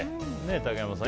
竹山さん。